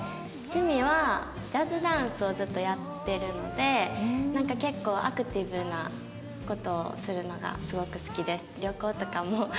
趣味はジャズダンスをちょっとやってるので結構アクティブな事をするのがすごく好きです。